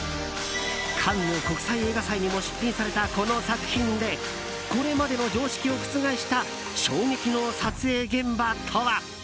カンヌ国際映画祭にも出品されたこの作品でこれまでの常識を覆した衝撃の撮影現場とは？